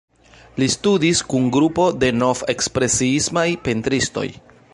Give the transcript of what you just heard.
Li studis kun grupo de nov-ekspresiismaj pentristoj.